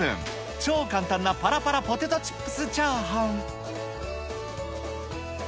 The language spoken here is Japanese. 超簡単なぱらぱらポテトチップスチャーハン。